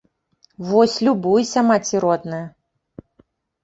Вось любуйся, маці родная!